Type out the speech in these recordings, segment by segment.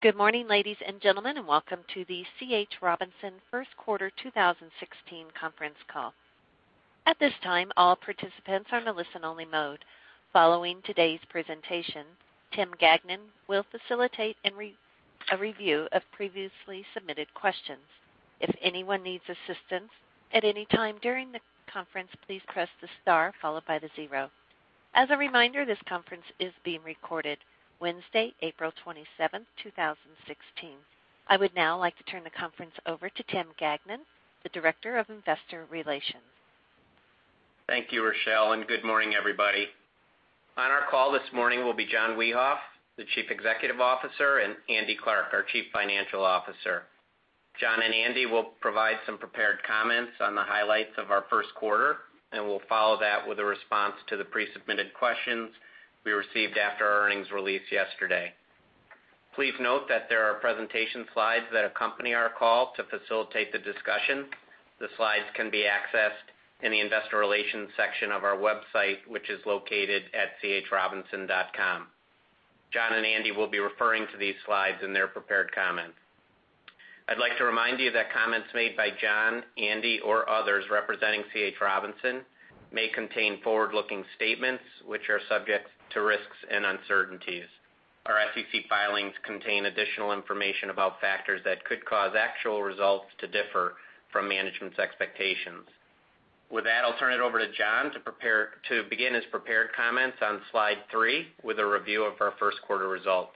Good morning, ladies and gentlemen, and welcome to the C.H. Robinson first quarter 2016 conference call. At this time, all participants are in listen only mode. Following today's presentation, Tim Gagnon will facilitate a review of previously submitted questions. If anyone needs assistance at any time during the conference, please press the star followed by the zero. As a reminder, this conference is being recorded Wednesday, April 27, 2016. I would now like to turn the conference over to Tim Gagnon, the Director of Investor Relations. Thank you, Rochelle, good morning, everybody. On our call this morning will be John Wiehoff, the Chief Executive Officer, and Andy Clarke, our Chief Financial Officer. John and Andy will provide some prepared comments on the highlights of our first quarter, and we'll follow that with a response to the pre-submitted questions we received after our earnings release yesterday. Please note that there are presentation slides that accompany our call to facilitate the discussion. The slides can be accessed in the investor relations section of our website, which is located at chrobinson.com. John and Andy will be referring to these slides in their prepared comments. I'd like to remind you that comments made by John, Andy, or others representing C.H. Robinson may contain forward-looking statements which are subject to risks and uncertainties. Our SEC filings contain additional information about factors that could cause actual results to differ from management's expectations. With that, I'll turn it over to John to begin his prepared comments on Slide three with a review of our first quarter results.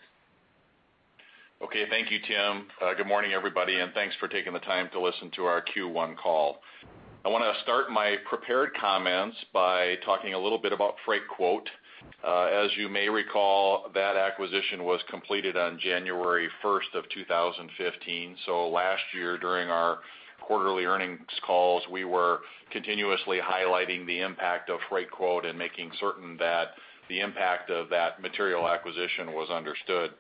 Okay. Thank you, Tim. Good morning, everybody, thanks for taking the time to listen to our Q1 call. I want to start my prepared comments by talking a little bit about Freightquote. As you may recall, that acquisition was completed on January 1st of 2015. Last year, during our quarterly earnings calls, we were continuously highlighting the impact of Freightquote and making certain that the impact of that material acquisition was understood.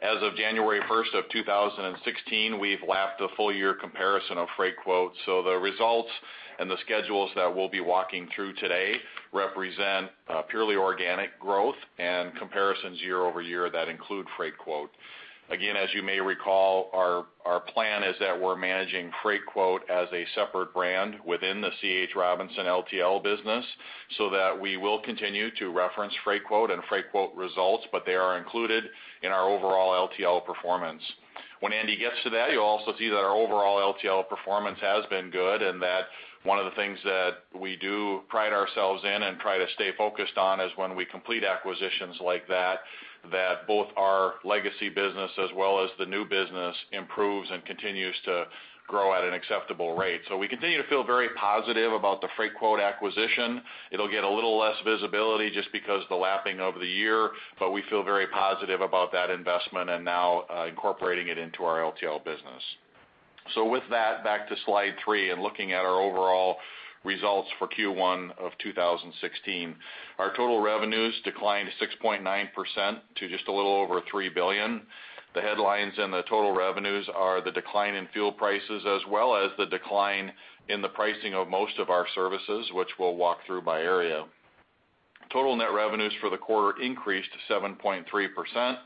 As of January 1st of 2016, we've lapped a full year comparison of Freightquote. The results and the schedules that we'll be walking through today represent purely organic growth and comparisons year-over-year that include Freightquote. As you may recall, our plan is that we're managing Freightquote as a separate brand within the C.H. Robinson LTL business that we will continue to reference Freightquote and Freightquote results, but they are included in our overall LTL performance. When Andy gets to that, you will also see that our overall LTL performance has been good and that one of the things that we do pride ourselves in and try to stay focused on is when we complete acquisitions like that both our legacy business as well as the new business improves and continues to grow at an acceptable rate. We continue to feel very positive about the Freightquote acquisition. It will get a little less visibility just because of the lapping of the year, but we feel very positive about that investment and now incorporating it into our LTL business. With that, back to Slide three and looking at our overall results for Q1 of 2016. Our total revenues declined 6.9% to just a little over $3 billion. The headlines in the total revenues are the decline in fuel prices, as well as the decline in the pricing of most of our services, which we will walk through by area. Total net revenues for the quarter increased to 7.3%.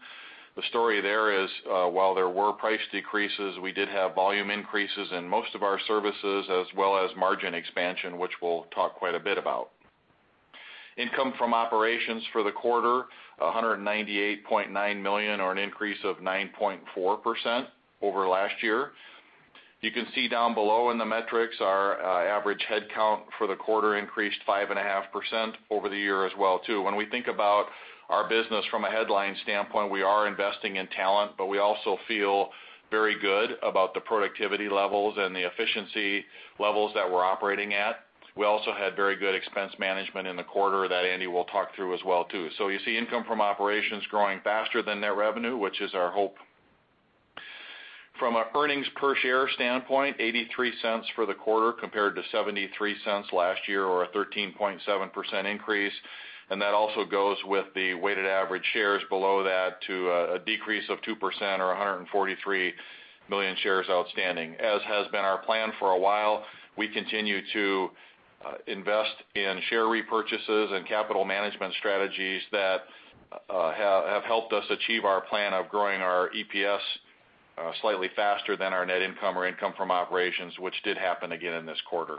The story there is while there were price decreases, we did have volume increases in most of our services as well as margin expansion, which we will talk quite a bit about. Income from operations for the quarter, $198.9 million or an increase of 9.4% over last year. You can see down below in the metrics, our average headcount for the quarter increased 5.5% over the year as well, too. When we think about our business from a headline standpoint, we are investing in talent, but we also feel very good about the productivity levels and the efficiency levels that we are operating at. We also had very good expense management in the quarter that Andy will talk through as well, too. You see income from operations growing faster than net revenue, which is our hope. From an earnings per share standpoint, $0.83 for the quarter compared to $0.73 last year or a 13.7% increase. That also goes with the weighted average shares below that to a decrease of 2% or 143 million shares outstanding. As has been our plan for a while, we continue to invest in share repurchases and capital management strategies that have helped us achieve our plan of growing our EPS slightly faster than our net income or income from operations, which did happen again in this quarter.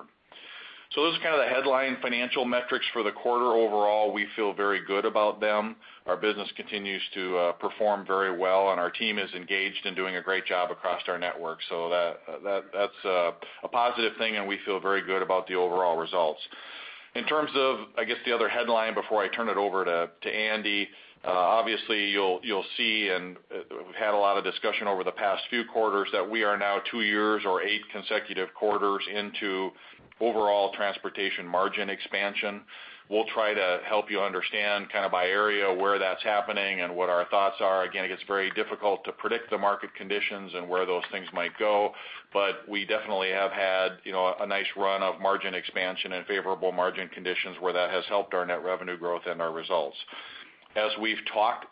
Those are kind of the headline financial metrics for the quarter. Overall, we feel very good about them. Our business continues to perform very well, and our team is engaged and doing a great job across our network. That is a positive thing, and we feel very good about the overall results. In terms of, I guess, the other headline before I turn it over to Andy, obviously you will see, and we have had a lot of discussion over the past few quarters that we are now two years or eight consecutive quarters into overall transportation margin expansion. We'll try to help you understand kind of by area where that's happening and what our thoughts are. It gets very difficult to predict the market conditions and where those things might go, we definitely have had a nice run of margin expansion and favorable margin conditions where that has helped our net revenue growth and our results. As we've talked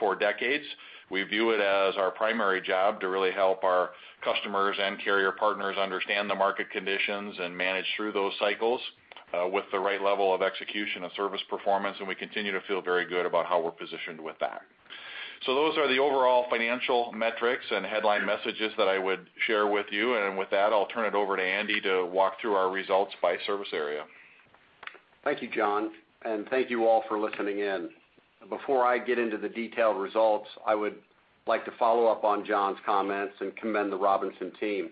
for decades, we view it as our primary job to really help our customers and carrier partners understand the market conditions and manage through those cycles. With the right level of execution of service performance, we continue to feel very good about how we're positioned with that. Those are the overall financial metrics and headline messages that I would share with you. With that, I'll turn it over to Andy to walk through our results by service area. Thank you, John, and thank you all for listening in. Before I get into the detailed results, I would like to follow up on John's comments and commend the Robinson team.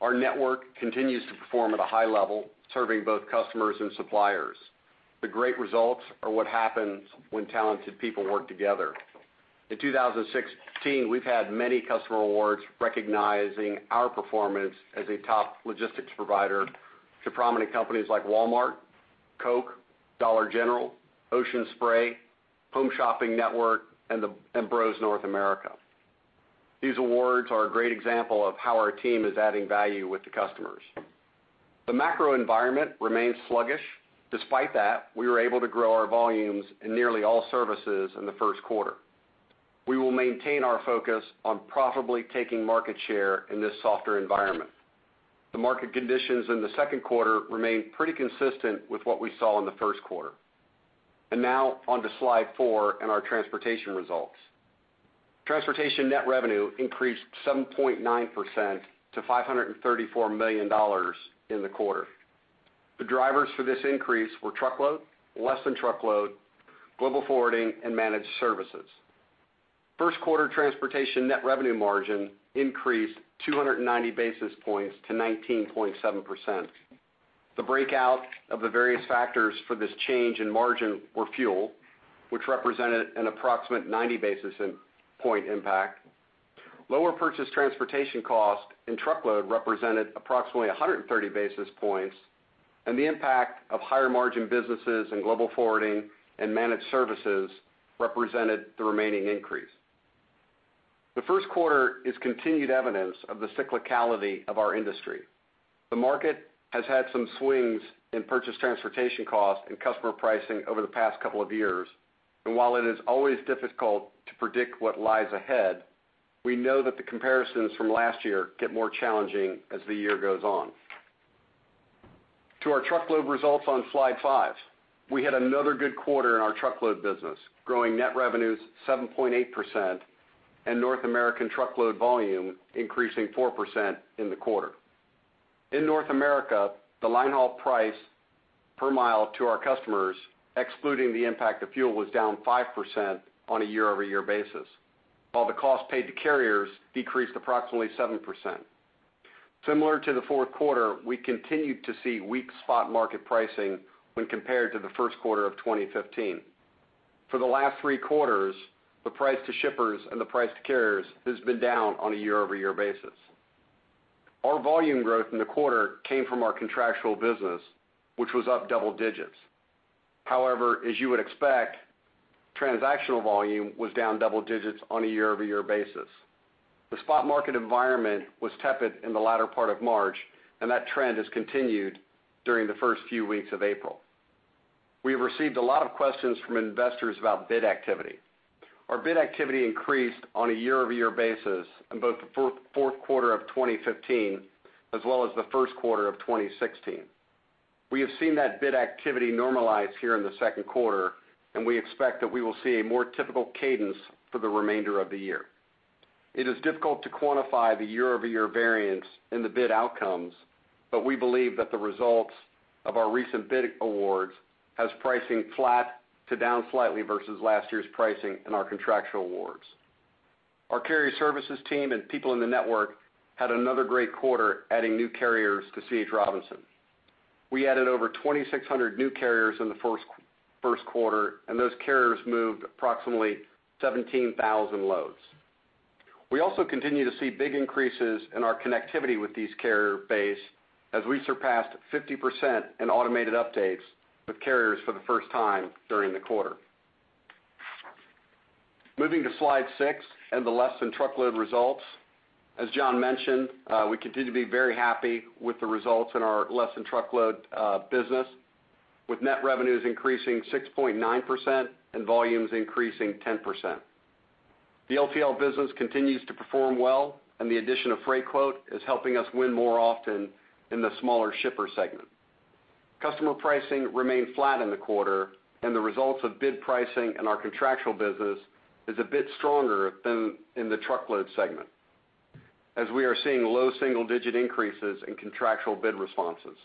Our network continues to perform at a high level, serving both customers and suppliers. The great results are what happens when talented people work together. In 2016, we've had many customer awards recognizing our performance as a top logistics provider to prominent companies like Walmart, Coke, Dollar General, Ocean Spray, Home Shopping Network, and Brose North America. These awards are a great example of how our team is adding value with the customers. The macro environment remains sluggish. Despite that, we were able to grow our volumes in nearly all services in the first quarter. We will maintain our focus on profitably taking market share in this softer environment. The market conditions in the second quarter remain pretty consistent with what we saw in the first quarter. Now, on to slide four and our transportation results. Transportation net revenue increased 7.9% to $534 million in the quarter. The drivers for this increase were truckload, less than truckload, global forwarding, and managed services. First quarter transportation net revenue margin increased 290 basis points to 19.7%. The breakout of the various factors for this change in margin were fuel, which represented an approximate 90 basis point impact. Lower purchase transportation cost in truckload represented approximately 130 basis points, and the impact of higher margin businesses in global forwarding and managed services represented the remaining increase. The first quarter is continued evidence of the cyclicality of our industry. The market has had some swings in purchase transportation cost and customer pricing over the past couple of years. While it is always difficult to predict what lies ahead, we know that the comparisons from last year get more challenging as the year goes on. To our truckload results on slide five. We had another good quarter in our truckload business, growing net revenues 7.8% and North American truckload volume increasing 4% in the quarter. In North America, the line haul price per mile to our customers, excluding the impact of fuel, was down 5% on a year-over-year basis. The cost paid to carriers decreased approximately 7%. Similar to the fourth quarter, we continued to see weak spot market pricing when compared to the first quarter of 2015. For the last three quarters, the price to shippers and the price to carriers has been down on a year-over-year basis. Our volume growth in the quarter came from our contractual business, which was up double digits. However, as you would expect, transactional volume was down double digits on a year-over-year basis. The spot market environment was tepid in the latter part of March, and that trend has continued during the first few weeks of April. We have received a lot of questions from investors about bid activity. Our bid activity increased on a year-over-year basis in both the fourth quarter of 2015 as well as the first quarter of 2016. We have seen that bid activity normalize here in the second quarter, and we expect that we will see a more typical cadence for the remainder of the year. It is difficult to quantify the year-over-year variance in the bid outcomes, but we believe that the results of our recent bid awards has pricing flat to down slightly versus last year's pricing in our contractual awards. Our carrier services team and people in the network had another great quarter adding new carriers to C.H. Robinson. We added over 2,600 new carriers in the first quarter, and those carriers moved approximately 17,000 loads. We also continue to see big increases in our connectivity with these carrier base as we surpassed 50% in automated updates with carriers for the first time during the quarter. Moving to slide six and the less than truckload results. As John mentioned, we continue to be very happy with the results in our less than truckload business, with net revenues increasing 6.9% and volumes increasing 10%. The LTL business continues to perform well, and the addition of Freightquote is helping us win more often in the smaller shipper segment. Customer pricing remained flat in the quarter, and the results of bid pricing in our contractual business is a bit stronger than in the truckload segment, as we are seeing low single-digit increases in contractual bid responses.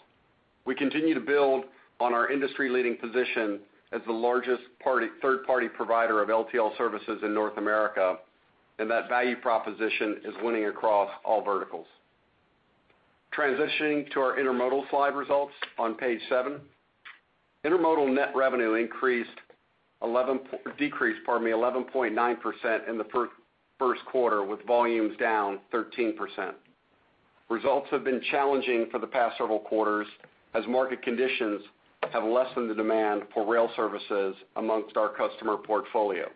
We continue to build on our industry-leading position as the largest third-party provider of LTL services in North America, and that value proposition is winning across all verticals. Transitioning to our intermodal slide results on page seven. Intermodal net revenue decreased, pardon me, 11.9% in the first quarter, with volumes down 13%. Results have been challenging for the past several quarters as market conditions have lessened the demand for rail services amongst our customer portfolio.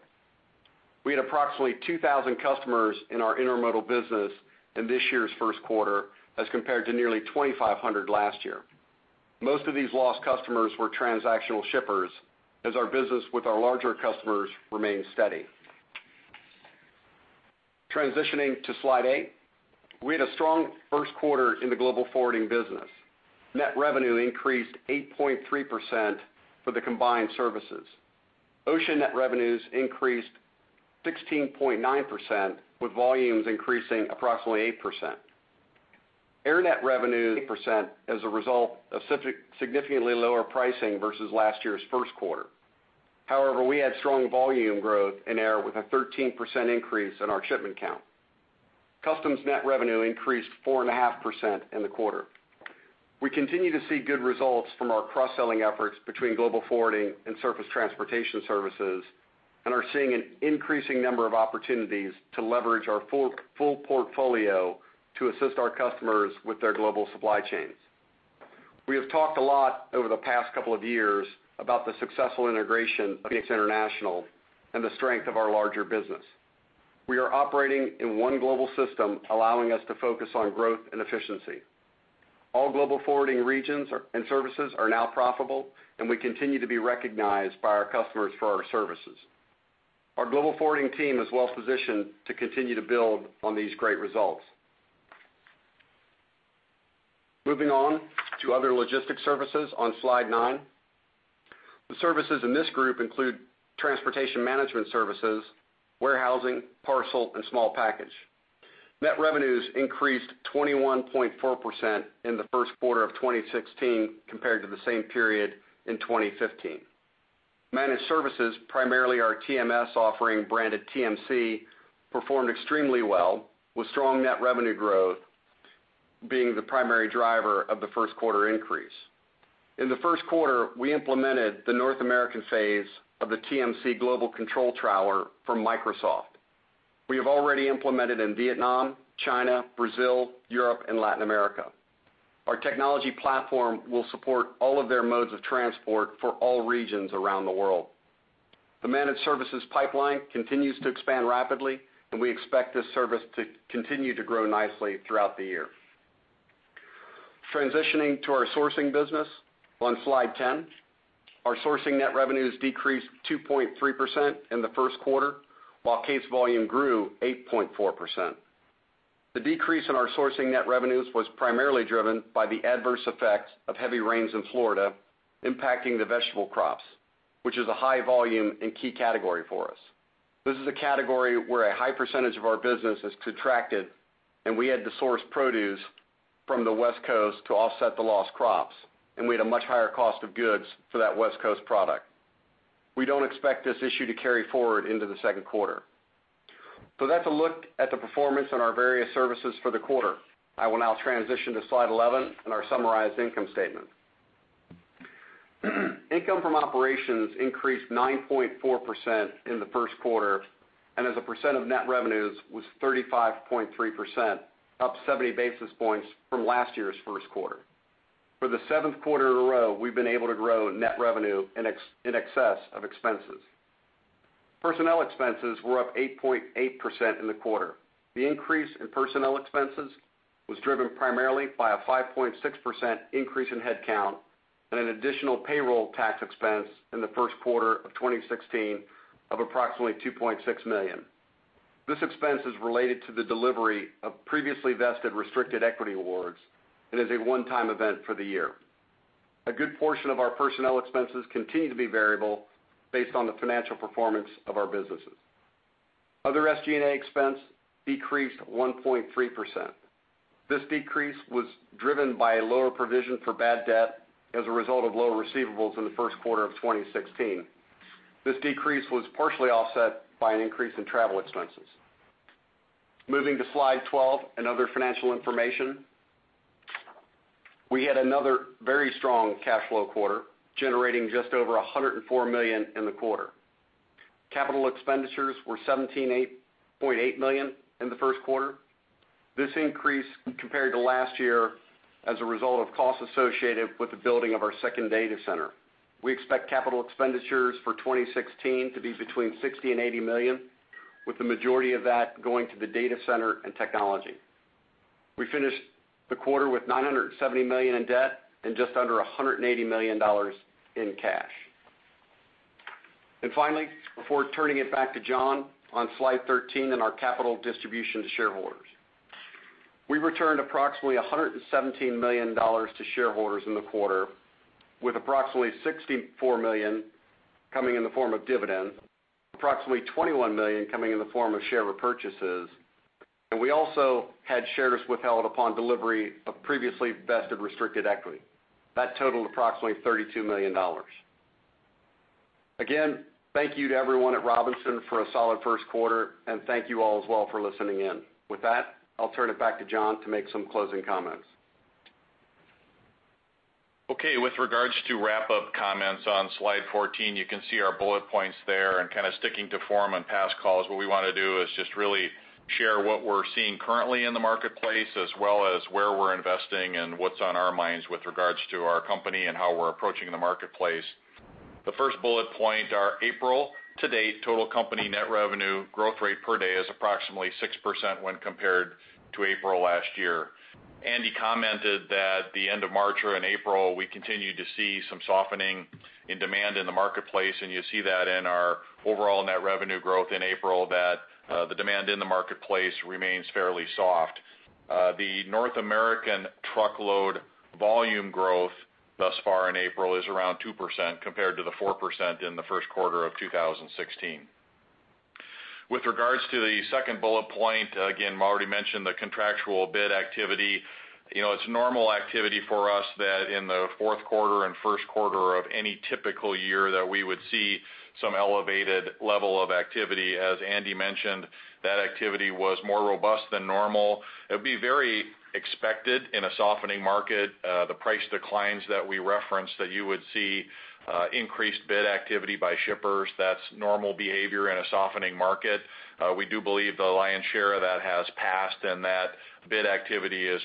We had approximately 2,000 customers in our intermodal business in this year's first quarter as compared to nearly 2,500 last year. Most of these lost customers were transactional shippers, as our business with our larger customers remained steady. Transitioning to slide eight, we had a strong first quarter in the global forwarding business. Net revenue increased 8.3% for the combined services. Ocean net revenues increased 16.9%, with volumes increasing approximately 8%. Air net revenue, 8%, as a result of significantly lower pricing versus last year's first quarter. However, we had strong volume growth in air with a 13% increase in our shipment count. Customs net revenue increased 4.5% in the quarter. We continue to see good results from our cross-selling efforts between global forwarding and surface transportation services, and are seeing an increasing number of opportunities to leverage our full portfolio to assist our customers with their global supply chains. We have talked a lot over the past couple of years about the successful integration of Phoenix International and the strength of our larger business. We are operating in one global system, allowing us to focus on growth and efficiency. All global forwarding regions and services are now profitable, and we continue to be recognized by our customers for our services. Our global forwarding team is well-positioned to continue to build on these great results. Moving on to other logistics services on slide nine. The services in this group include transportation management services, warehousing, parcel, and small package. Net revenues increased 21.4% in the first quarter of 2016 compared to the same period in 2015. Managed services, primarily our TMS offering, branded TMC, performed extremely well with strong net revenue growth being the primary driver of the first quarter increase. In the first quarter, we implemented the North American phase of the TMC global control tower from Microsoft. We have already implemented in Vietnam, China, Brazil, Europe, and Latin America. Our technology platform will support all of their modes of transport for all regions around the world. The managed services pipeline continues to expand rapidly, and we expect this service to continue to grow nicely throughout the year. Transitioning to our sourcing business on slide 10. Our sourcing net revenues decreased 2.3% in the first quarter while case volume grew 8.4%. The decrease in our sourcing net revenues was primarily driven by the adverse effects of heavy rains in Florida impacting the vegetable crops, which is a high volume and key category for us. This is a category where a high percentage of our business has contracted, and we had to source produce from the West Coast to offset the lost crops, and we had a much higher cost of goods for that West Coast product. We don't expect this issue to carry forward into the second quarter. That's a look at the performance on our various services for the quarter. I will now transition to slide 11 and our summarized income statement. Income from operations increased 9.4% in the first quarter, and as a percent of net revenues was 35.3%, up 70 basis points from last year's first quarter. For the seventh quarter in a row, we've been able to grow net revenue in excess of expenses. Personnel expenses were up 8.8% in the quarter. The increase in personnel expenses was driven primarily by a 5.6% increase in headcount and an additional payroll tax expense in the first quarter of 2016 of approximately $2.6 million. This expense is related to the delivery of previously vested restricted equity awards and is a one-time event for the year. A good portion of our personnel expenses continue to be variable based on the financial performance of our businesses. Other SG&A expense decreased 1.3%. This decrease was driven by a lower provision for bad debt as a result of lower receivables in the first quarter of 2016. This decrease was partially offset by an increase in travel expenses. Moving to slide 12 and other financial information. We had another very strong cash flow quarter, generating just over $104 million in the quarter. Capital expenditures were $17.8 million in the first quarter. This increase compared to last year as a result of costs associated with the building of our second data center. We expect capital expenditures for 2016 to be between $60 million and $80 million, with the majority of that going to the data center and technology. We finished the quarter with $970 million in debt and just under $180 million in cash. Finally, before turning it back to John, on slide 13 in our capital distribution to shareholders. We returned approximately $117 million to shareholders in the quarter, with approximately $64 million coming in the form of dividends, approximately $21 million coming in the form of share repurchases, and we also had shares withheld upon delivery of previously vested restricted equity. That totaled approximately $32 million. Again, thank you to everyone at Robinson for a solid first quarter, and thank you all as well for listening in. With that, I'll turn it back to John to make some closing comments. Okay. With regards to wrap-up comments on slide 14, you can see our bullet points there. Sticking to form on past calls, what we want to do is just really share what we're seeing currently in the marketplace, as well as where we're investing and what's on our minds with regards to our company and how we're approaching the marketplace. The first bullet point, our April to date total company net revenue growth rate per day is approximately 6% when compared to April last year. Andy commented that the end of March or in April, we continued to see some softening in demand in the marketplace, and you see that in our overall net revenue growth in April that the demand in the marketplace remains fairly soft. The North American truckload volume growth thus far in April is around 2% compared to the 4% in the first quarter of 2016. With regards to the second bullet point, again, I've already mentioned the contractual bid activity. It's normal activity for us that in the fourth quarter and first quarter of any typical year, that we would see some elevated level of activity. As Andy mentioned, that activity was more robust than normal. It would be very expected in a softening market, the price declines that we referenced, that you would see increased bid activity by shippers. That's normal behavior in a softening market. We do believe the lion's share of that has passed, and that bid activity is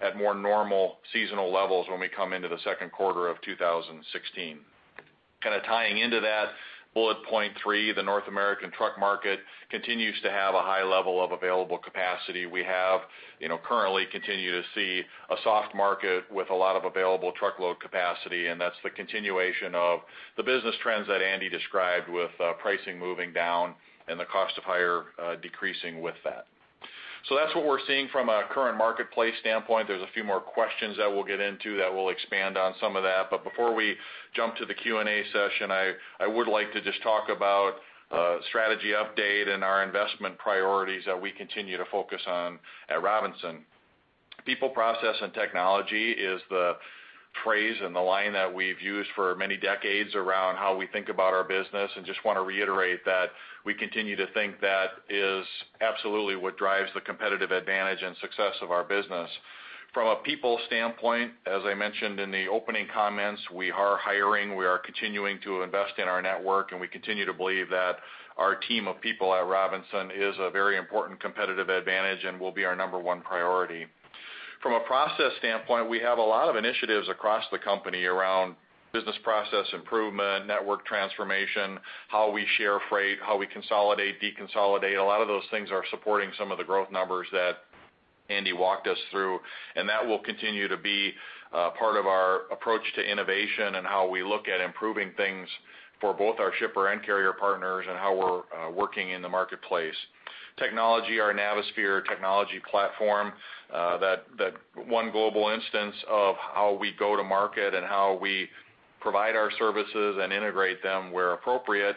at more normal seasonal levels when we come into the second quarter of 2016. Kind of tying into that, bullet point three, the North American truck market continues to have a high level of available capacity. We have currently continued to see a soft market with a lot of available truckload capacity, and that's the continuation of the business trends that Andy described with pricing moving down and the cost of hire decreasing with that. That's what we're seeing from a current marketplace standpoint. There's a few more questions that we'll get into that we'll expand on some of that. Before we jump to the Q&A session, I would like to just talk about strategy update and our investment priorities that we continue to focus on at Robinson. People, process, and technology is the phrase and the line that we've used for many decades around how we think about our business, and just want to reiterate that we continue to think that is absolutely what drives the competitive advantage and success of our business. From a people standpoint, as I mentioned in the opening comments, we are hiring, we are continuing to invest in our network, and we continue to believe that our team of people at Robinson is a very important competitive advantage and will be our number one priority. From a process standpoint, we have a lot of initiatives across the company around business process improvement, network transformation, how we share freight, how we consolidate, deconsolidate. A lot of those things are supporting some of the growth numbers that Andy walked us through, and that will continue to be part of our approach to innovation and how we look at improving things for both our shipper and carrier partners and how we're working in the marketplace. Technology, our Navisphere technology platform, that one global instance of how we go to market and how we provide our services and integrate them where appropriate,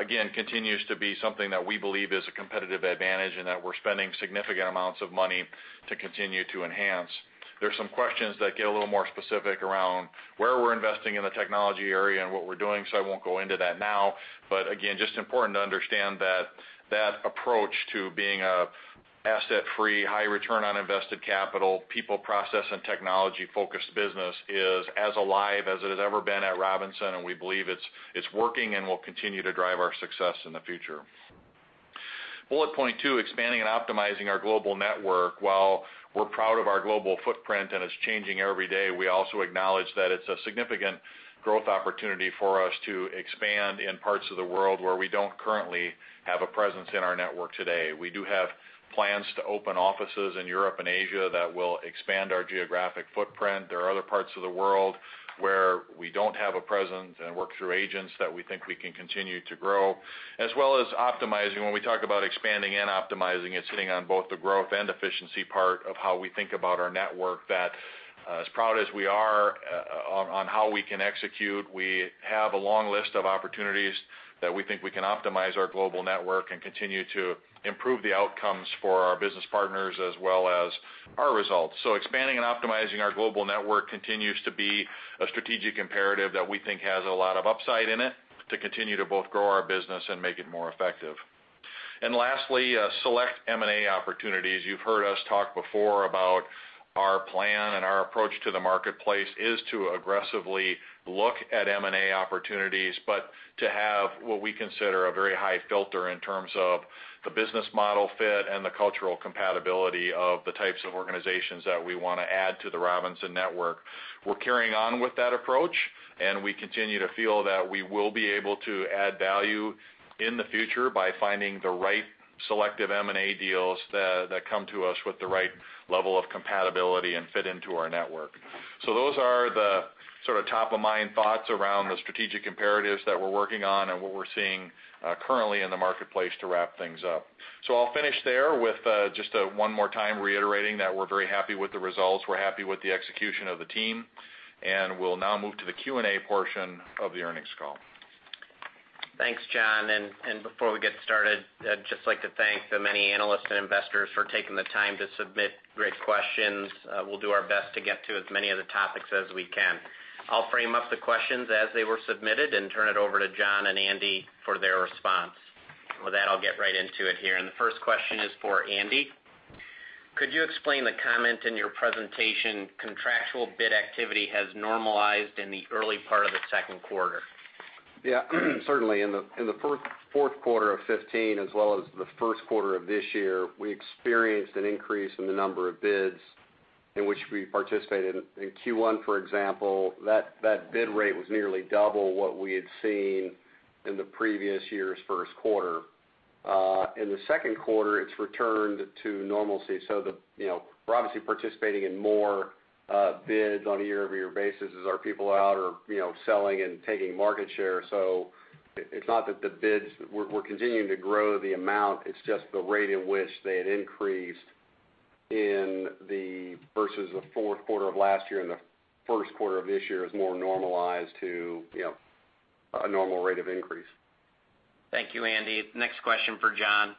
again, continues to be something that we believe is a competitive advantage and that we're spending significant amounts of money to continue to enhance. There's some questions that get a little more specific around where we're investing in the technology area and what we're doing. I won't go into that now. Again, just important to understand that that approach to being an asset-free, high return on invested capital, people, process, and technology-focused business is as alive as it has ever been at Robinson, and we believe it's working and will continue to drive our success in the future. Bullet point two, expanding and optimizing our global network. While we're proud of our global footprint and it's changing every day, we also acknowledge that it's a significant growth opportunity for us to expand in parts of the world where we don't currently have a presence in our network today. We do have plans to open offices in Europe and Asia that will expand our geographic footprint. There are other parts of the world where we don't have a presence and work through agents that we think we can continue to grow, as well as optimizing. When we talk about expanding and optimizing, it's hitting on both the growth and efficiency part of how we think about our network, that as proud as we are on how we can execute, we have a long list of opportunities that we think we can optimize our global network and continue to improve the outcomes for our business partners as well as our results. Expanding and optimizing our global network continues to be a strategic imperative that we think has a lot of upside in it to continue to both grow our business and make it more effective. Lastly, select M&A opportunities. You've heard us talk before about our plan and our approach to the marketplace is to aggressively look at M&A opportunities, but to have what we consider a very high filter in terms of the business model fit and the cultural compatibility of the types of organizations that we want to add to the Robinson network. We're carrying on with that approach, and we continue to feel that we will be able to add value in the future by finding the right selective M&A deals that come to us with the right level of compatibility and fit into our network. Those are the sort of top-of-mind thoughts around the strategic imperatives that we're working on and what we're seeing currently in the marketplace to wrap things up. I'll finish there with just one more time reiterating that we're very happy with the results. We're happy with the execution of the team, and we'll now move to the Q&A portion of the earnings call. Thanks, John, and before we get started, I'd just like to thank the many analysts and investors for taking the time to submit great questions. We'll do our best to get to as many of the topics as we can. I'll frame up the questions as they were submitted and turn it over to John and Andy for their response. With that, I'll get right into it here, and the first question is for Andy. Could you explain the comment in your presentation, contractual bid activity has normalized in the early part of the second quarter? Yeah, certainly. In the fourth quarter of 2015, as well as the first quarter of this year, we experienced an increase in the number of bids In which we participated in Q1, for example, that bid rate was nearly double what we had seen in the previous year's first quarter. In the second quarter, it's returned to normalcy. We're obviously participating in more bids on a year-over-year basis as our people are out selling and taking market share. It's not that we're continuing to grow the amount, it's just the rate at which they had increased versus the fourth quarter of last year, and the first quarter of this year is more normalized to a normal rate of increase. Thank you, Andy. Next question for John.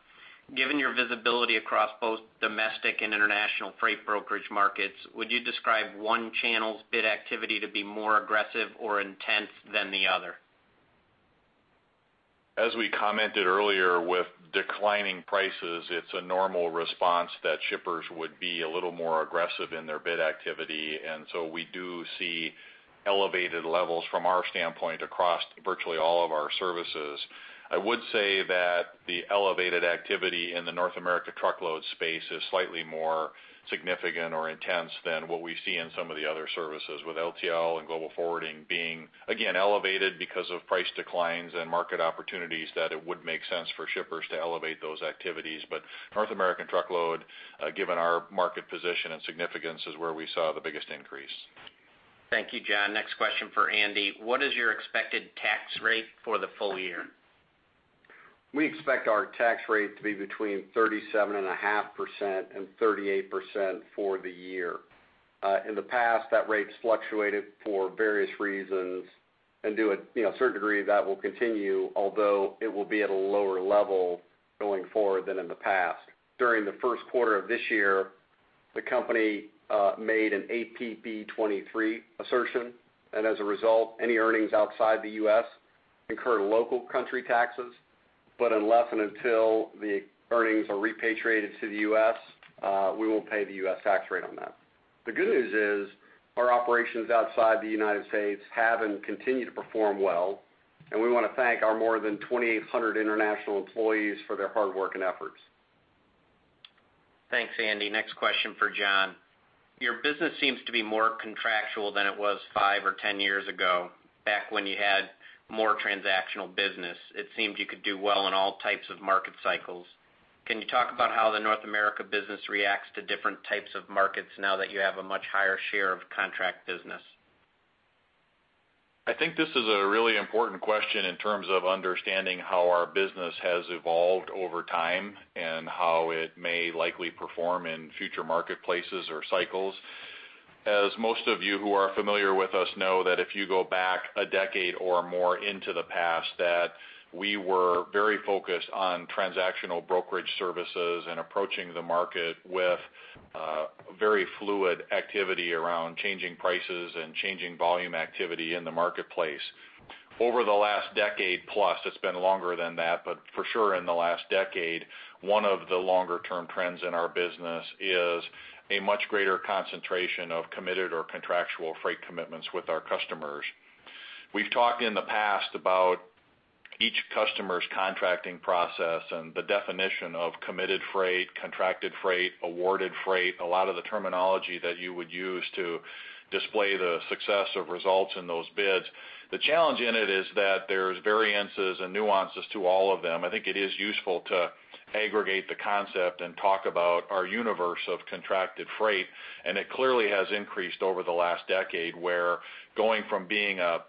Given your visibility across both domestic and international freight brokerage markets, would you describe one channel's bid activity to be more aggressive or intense than the other? As we commented earlier, with declining prices, it's a normal response that shippers would be a little more aggressive in their bid activity. We do see elevated levels from our standpoint across virtually all of our services. I would say that the elevated activity in the North America truckload space is slightly more significant or intense than what we see in some of the other services, with LTL and global forwarding being, again, elevated because of price declines and market opportunities, that it would make sense for shippers to elevate those activities. North American truckload, given our market position and significance, is where we saw the biggest increase. Thank you, John. Next question for Andy. What is your expected tax rate for the full year? We expect our tax rate to be between 37.5% and 38% for the year. In the past, that rate's fluctuated for various reasons, and to a certain degree, that will continue, although it will be at a lower level going forward than in the past. During the first quarter of this year, the company made an APB 23 assertion, and as a result, any earnings outside the U.S. incur local country taxes. Unless and until the earnings are repatriated to the U.S., we won't pay the U.S. tax rate on that. The good news is our operations outside the United States have and continue to perform well, and we want to thank our more than 2,800 international employees for their hard work and efforts. Thanks, Andy. Next question for John. Your business seems to be more contractual than it was five or 10 years ago, back when you had more transactional business. It seemed you could do well in all types of market cycles. Can you talk about how the North America business reacts to different types of markets now that you have a much higher share of contract business? I think this is a really important question in terms of understanding how our business has evolved over time and how it may likely perform in future marketplaces or cycles. As most of you who are familiar with us know, that if you go back a decade or more into the past, that we were very focused on transactional brokerage services and approaching the market with very fluid activity around changing prices and changing volume activity in the marketplace. Over the last decade plus, it's been longer than that, but for sure in the last decade, one of the longer-term trends in our business is a much greater concentration of committed or contractual freight commitments with our customers. We've talked in the past about each customer's contracting process and the definition of committed freight, contracted freight, awarded freight, a lot of the terminology that you would use to display the success of results in those bids. The challenge in it is that there's variances and nuances to all of them. I think it is useful to aggregate the concept and talk about our universe of contracted freight, and it clearly has increased over the last decade, where going from being a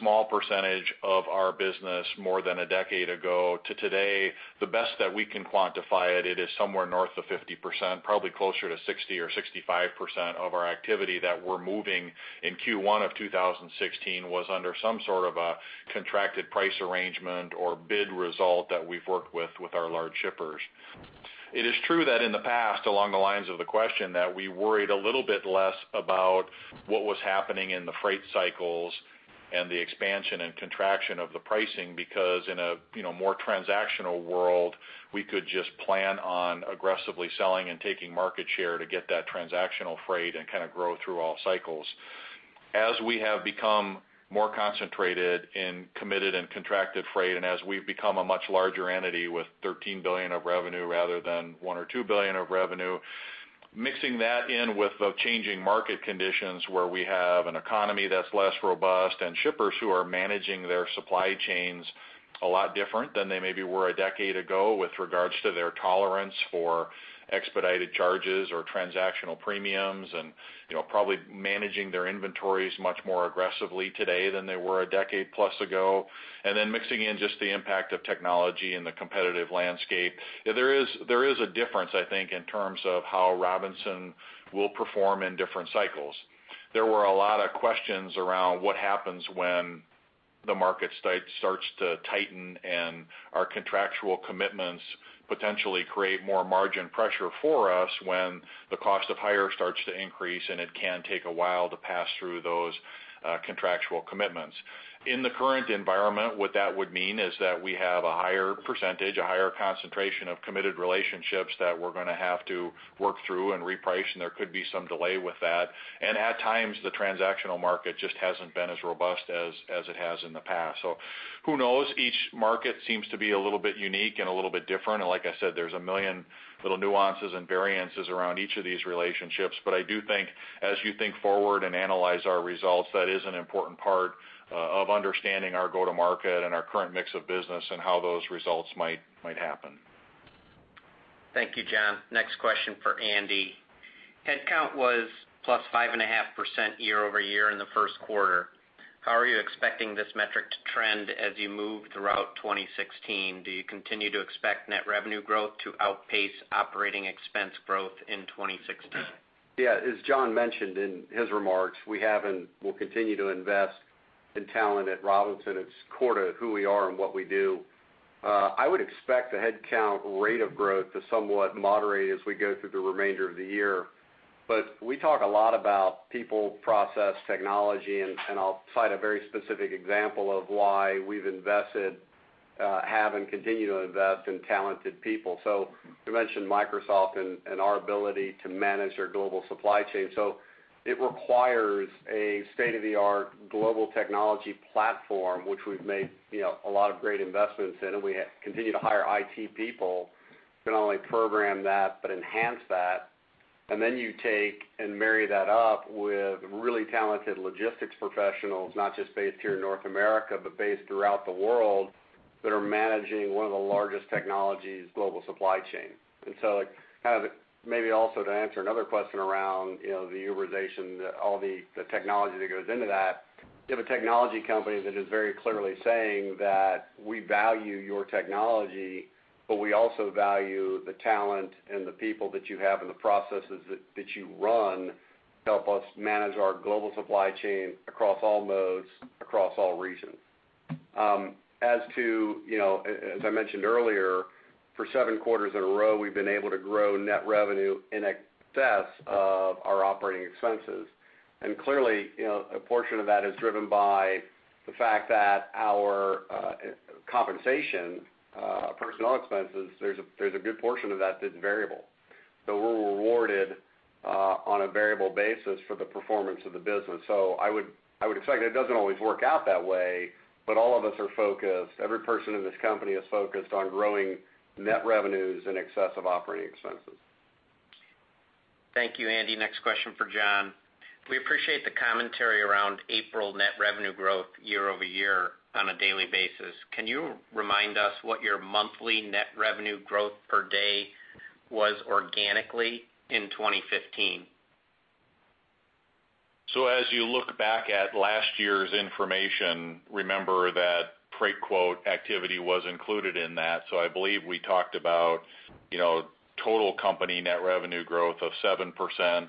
small percentage of our business more than a decade ago to today, the best that we can quantify it is somewhere north of 50%, probably closer to 60% or 65% of our activity that we're moving in Q1 of 2016 was under some sort of a contracted price arrangement or bid result that we've worked with our large shippers. It is true that in the past, along the lines of the question, that we worried a little bit less about what was happening in the freight cycles and the expansion and contraction of the pricing because in a more transactional world, we could just plan on aggressively selling and taking market share to get that transactional freight and kind of grow through all cycles. As we have become more concentrated in committed and contracted freight, and as we've become a much larger entity with $13 billion of revenue rather than $1 billion or $2 billion of revenue, mixing that in with the changing market conditions where we have an economy that's less robust and shippers who are managing their supply chains a lot different than they maybe were a decade ago with regards to their tolerance for expedited charges or transactional premiums and probably managing their inventories much more aggressively today than they were a decade plus ago. Mixing in just the impact of technology and the competitive landscape. There is a difference, I think, in terms of how Robinson will perform in different cycles. There were a lot of questions around what happens when the market starts to tighten and our contractual commitments potentially create more margin pressure for us when the cost of hire starts to increase, and it can take a while to pass through those contractual commitments. In the current environment, what that would mean is that we have a higher percentage, a higher concentration of committed relationships that we're going to have to work through and reprice, and there could be some delay with that. At times, the transactional market just hasn't been as robust as it has in the past. Who knows? Each market seems to be a little bit unique and a little bit different. Like I said, there's a million little nuances and variances around each of these relationships. I do think as you think forward and analyze our results, that is an important part of understanding our go-to market and our current mix of business and how those results might happen. Thank you, John. Next question for Andy. Headcount was +5.5% year-over-year in the first quarter. How are you expecting this metric to trend as you move throughout 2016? Do you continue to expect net revenue growth to outpace operating expense growth in 2016? As John mentioned in his remarks, we have and will continue to invest in talent at Robinson. It's core to who we are and what we do. I would expect the headcount rate of growth to somewhat moderate as we go through the remainder of the year. We talk a lot about people, process, technology, and I'll cite a very specific example of why we've invested, have and continue to invest in talented people. You mentioned Microsoft and our ability to manage their global supply chain. It requires a state-of-the-art global technology platform, which we've made a lot of great investments in, and we continue to hire IT people who not only program that, but enhance that. You take and marry that up with really talented logistics professionals, not just based here in North America, but based throughout the world, that are managing one of the largest technologies global supply chain. Maybe also to answer another question around the Uberization, all the technology that goes into that, you have a technology company that is very clearly saying that we value your technology, but we also value the talent and the people that you have, and the processes that you run to help us manage our global supply chain across all modes, across all regions. As I mentioned earlier, for seven quarters in a row, we've been able to grow net revenue in excess of our operating expenses. Clearly, a portion of that is driven by the fact that our compensation, personnel expenses, there's a good portion of that that's variable. We're rewarded on a variable basis for the performance of the business. I would expect it doesn't always work out that way, but all of us are focused, every person in this company is focused on growing net revenues in excess of operating expenses. Thank you, Andy. Next question for John. We appreciate the commentary around April net revenue growth year-over-year on a daily basis. Can you remind us what your monthly net revenue growth per day was organically in 2015? As you look back at last year's information, remember that Freightquote activity was included in that. I believe we talked about total company net revenue growth of 7%,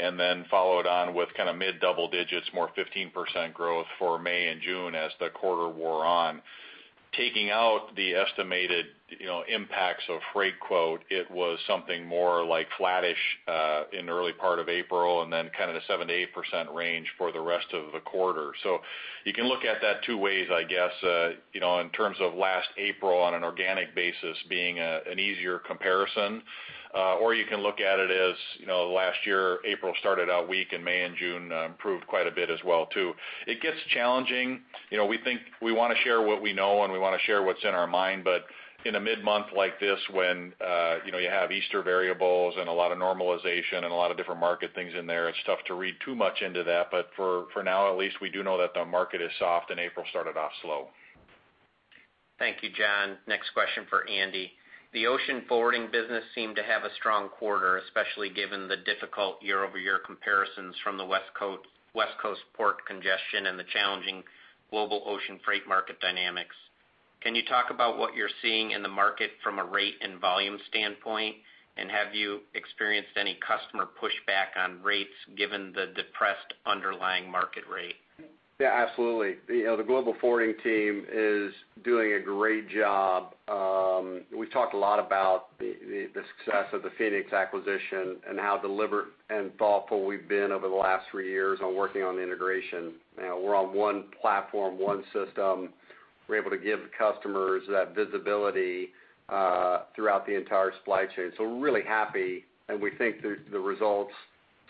and then followed on with kind of mid-double digits, more 15% growth for May and June as the quarter wore on. Taking out the estimated impacts of Freightquote, it was something more like flattish in the early part of April, and then kind of the 7%-8% range for the rest of the quarter. You can look at that two ways, I guess, in terms of last April on an organic basis being an easier comparison. You can look at it as last year, April started out weak, and May and June improved quite a bit as well, too. It gets challenging. We think we want to share what we know, and we want to share what's in our mind. In a mid-month like this, when you have Easter variables and a lot of normalization and a lot of different market things in there, it's tough to read too much into that. For now at least, we do know that the market is soft, and April started off slow. Thank you, John. Next question for Andy. The ocean forwarding business seemed to have a strong quarter, especially given the difficult year-over-year comparisons from the West Coast port congestion and the challenging global ocean freight market dynamics. Can you talk about what you're seeing in the market from a rate and volume standpoint, and have you experienced any customer pushback on rates given the depressed underlying market rate? Yeah, absolutely. The global forwarding team is doing a great job. We talked a lot about the success of the Phoenix acquisition and how deliberate and thoughtful we've been over the last three years on working on the integration. We're on one platform, one system. We're able to give customers that visibility throughout the entire supply chain. We're really happy, and we think the results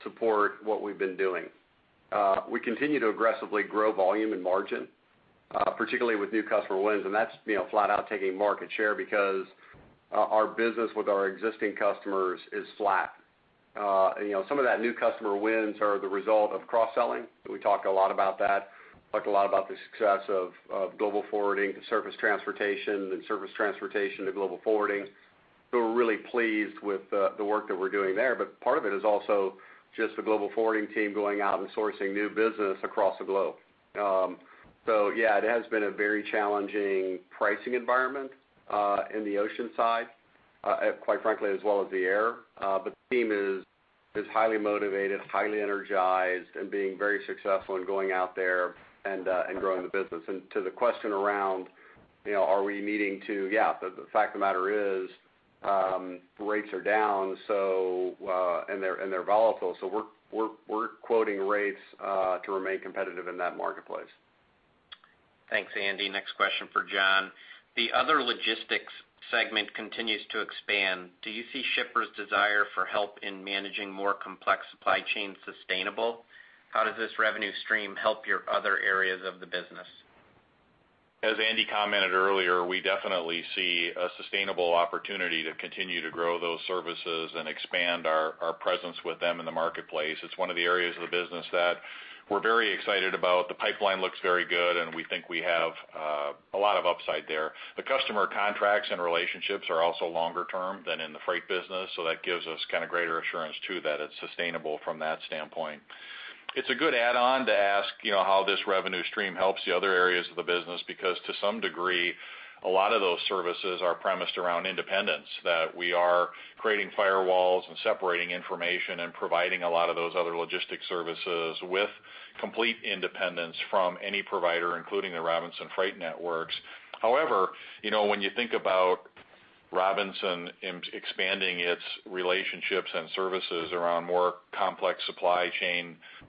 support what we've been doing. We continue to aggressively grow volume and margin, particularly with new customer wins, and that's flat out taking market share because our business with our existing customers is flat. Some of that new customer wins are the result of cross-selling. We talked a lot about that. We talked a lot about the success of global forwarding to service transportation and service transportation to global forwarding. We're really pleased with the work that we're doing there. Part of it is also just the global forwarding team going out and sourcing new business across the globe. Yeah, it has been a very challenging pricing environment in the ocean side, quite frankly, as well as the air. The team is highly motivated, highly energized, and being very successful in going out there and growing the business. To the question around are we needing to, yeah, the fact of the matter is rates are down, and they're volatile. We're quoting rates to remain competitive in that marketplace. Thanks, Andy. Next question for John. The other logistics segment continues to expand. Do you see shippers' desire for help in managing more complex supply chains sustainable? How does this revenue stream help your other areas of the business? As Andy commented earlier, we definitely see a sustainable opportunity to continue to grow those services and expand our presence with them in the marketplace. It's one of the areas of the business that we're very excited about. The pipeline looks very good, and we think we have a lot of upside there. The customer contracts and relationships are also longer term than in the freight business, so that gives us kind of greater assurance, too, that it's sustainable from that standpoint. It's a good add-on to ask how this revenue stream helps the other areas of the business, because to some degree, a lot of those services are premised around independence, that we are creating firewalls and separating information and providing a lot of those other logistics services with complete independence from any provider, including the Robinson Freight Networks. However, when you think about Robinson expanding its relationships and services around more complex supply chain perspectives,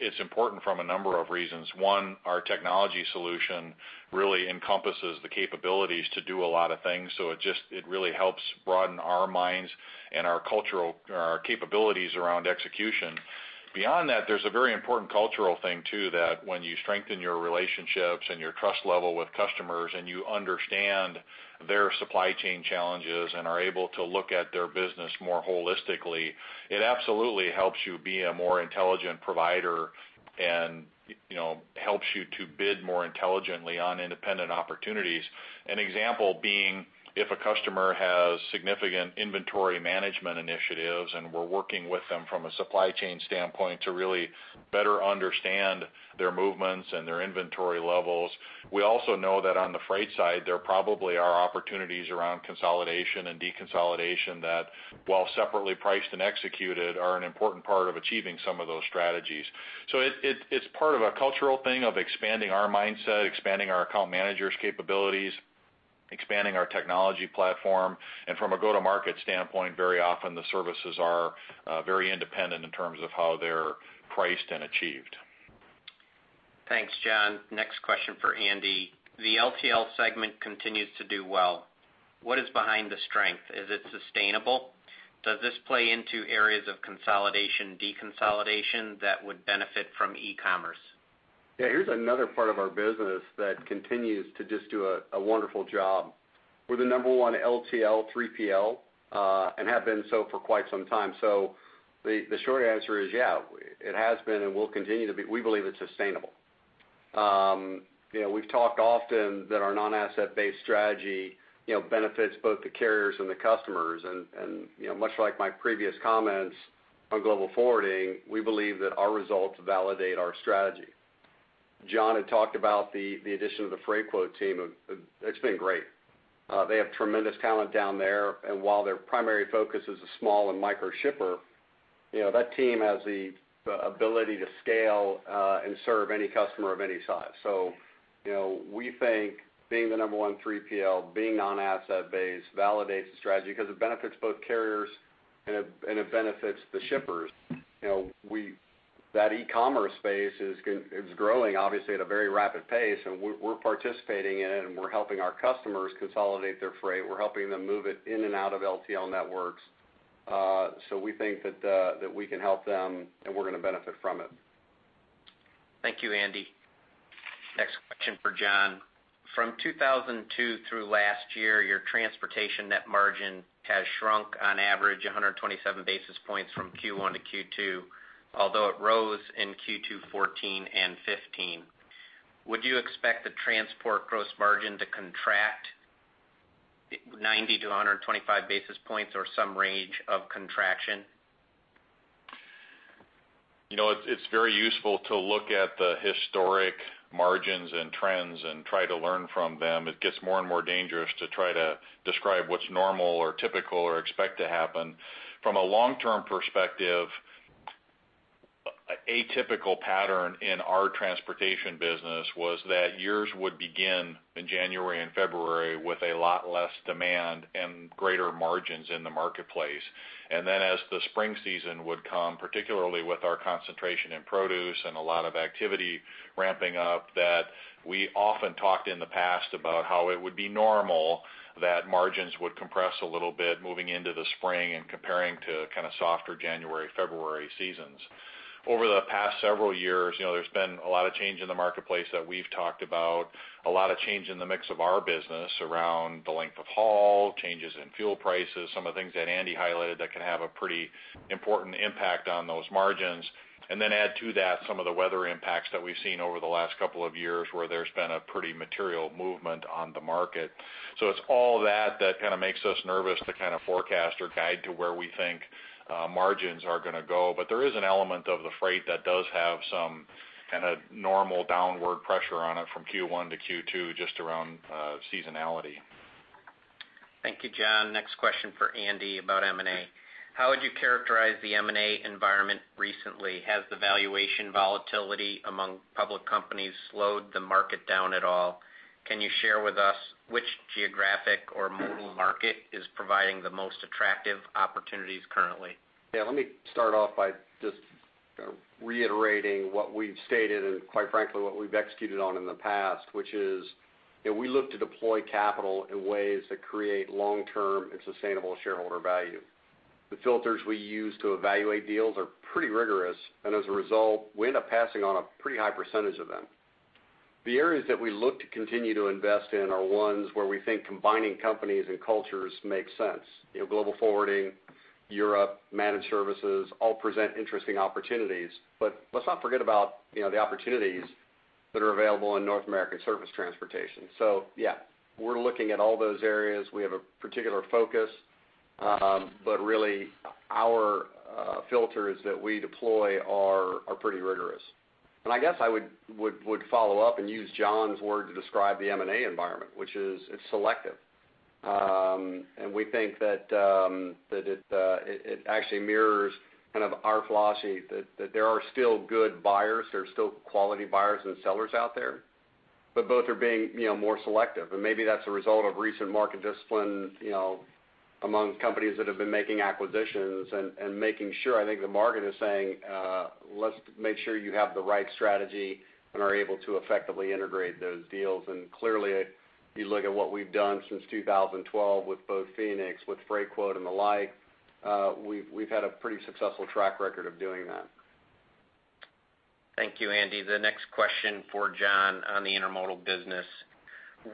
it's important from a number of reasons. One, our technology solution really encompasses the capabilities to do a lot of things. It really helps broaden our minds and our cultural capabilities around execution. Beyond that, there's a very important cultural thing, too, that when you strengthen your relationships and your trust level with customers, and you understand their supply chain challenges and are able to look at their business more holistically, it absolutely helps you be a more intelligent provider and helps you to bid more intelligently on independent opportunities. An example being, if a customer has significant inventory management initiatives, and we're working with them from a supply chain standpoint to really better understand their movements and their inventory levels. We also know that on the freight side, there probably are opportunities around consolidation and deconsolidation that, while separately priced and executed, are an important part of achieving some of those strategies. It's part of a cultural thing of expanding our mindset, expanding our account managers' capabilities, expanding our technology platform, and from a go-to-market standpoint, very often the services are very independent in terms of how they're priced and achieved. Thanks, John. Next question for Andy. The LTL segment continues to do well. What is behind the strength? Is it sustainable? Does this play into areas of consolidation, deconsolidation that would benefit from e-commerce? Here's another part of our business that continues to just do a wonderful job. We're the number one LTL 3PL, and have been so for quite some time. The short answer is it has been and will continue to be. We believe it's sustainable. We've talked often that our non-asset-based strategy benefits both the carriers and the customers. Much like my previous comments on global forwarding, we believe that our results validate our strategy. John had talked about the addition of the Freightquote team. It's been great. They have tremendous talent down there, and while their primary focus is a small and micro shipper, that team has the ability to scale and serve any customer of any size. We think being the number one 3PL, being non-asset based, validates the strategy because it benefits both carriers and it benefits the shippers. That e-commerce space is growing, obviously, at a very rapid pace, and we're participating in it, and we're helping our customers consolidate their freight. We're helping them move it in and out of LTL networks. We think that we can help them, and we're going to benefit from it. Thank you, Andy. Next question for John. From 2002 through last year, your transportation net margin has shrunk on average 127 basis points from Q1 to Q2, although it rose in Q2 2014 and 2015. Would you expect the transport gross margin to contract 90-125 basis points or some range of contraction? It's very useful to look at the historic margins and trends and try to learn from them. It gets more and more dangerous to try to describe what's normal or typical or expect to happen. From a long-term perspective, a typical pattern in our transportation business was that years would begin in January and February with a lot less demand and greater margins in the marketplace. As the spring season would come, particularly with our concentration in produce and a lot of activity ramping up, that we often talked in the past about how it would be normal that margins would compress a little bit moving into the spring and comparing to softer January, February seasons. Over the past several years, there's been a lot of change in the marketplace that we've talked about, a lot of change in the mix of our business around the length of haul, changes in fuel prices, some of the things that Andy highlighted that can have a pretty important impact on those margins. Add to that some of the weather impacts that we've seen over the last couple of years, where there's been a pretty material movement on the market. It's all that that kind of makes us nervous to kind of forecast or guide to where we think margins are going to go. There is an element of the freight that does have some kind of normal downward pressure on it from Q1 to Q2, just around seasonality. Thank you, John. Next question for Andy about M&A. How would you characterize the M&A environment recently? Has the valuation volatility among public companies slowed the market down at all? Can you share with us which geographic or modal market is providing the most attractive opportunities currently? Yeah, let me start off by just reiterating what we've stated and, quite frankly, what we've executed on in the past, which is that we look to deploy capital in ways that create long-term and sustainable shareholder value. The filters we use to evaluate deals are pretty rigorous, and as a result, we end up passing on a pretty high percentage of them. The areas that we look to continue to invest in are ones where we think combining companies and cultures makes sense. Global forwarding, Europe, managed services all present interesting opportunities. Let's not forget about the opportunities that are available in North American service transportation. Yeah, we're looking at all those areas. We have a particular focus. Really, our filters that we deploy are pretty rigorous. I guess I would follow up and use John's word to describe the M&A environment, which is it's selective. We think that it actually mirrors kind of our philosophy that there are still good buyers, there are still quality buyers and sellers out there, but both are being more selective. Maybe that's a result of recent market discipline among companies that have been making acquisitions and making sure, I think the market is saying, let's make sure you have the right strategy and are able to effectively integrate those deals. Clearly, you look at what we've done since 2012 with both Phoenix, with Freightquote and the like, we've had a pretty successful track record of doing that. Thank you, Andy. The next question for John on the intermodal business.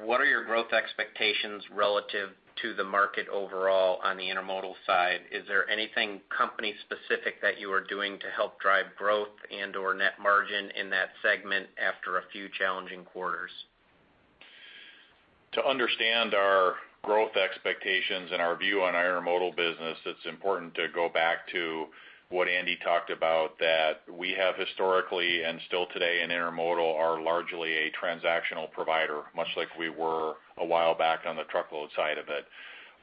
What are your growth expectations relative to the market overall on the intermodal side? Is there anything company specific that you are doing to help drive growth and/or net margin in that segment after a few challenging quarters? To understand our growth expectations and our view on our intermodal business, it's important to go back to what Andrew Clarke talked about, that we have historically and still today in intermodal are largely a transactional provider, much like we were a while back on the truckload side of it.